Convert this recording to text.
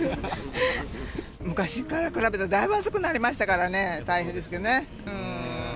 昔から比べると、だいぶ暑くなりましたからね、大変ですよね。